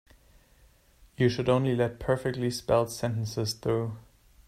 You should only let perfectly spelled sentences through.